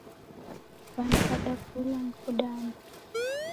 Wandu wadapoilwa ni kudamba